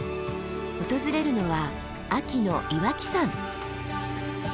訪れるのは秋の岩木山。